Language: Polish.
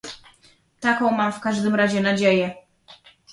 Taką mam w każdym razie nadzieję